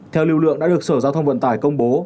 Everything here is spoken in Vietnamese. theo lưu lượng đã được sở giao thông vận tải công bố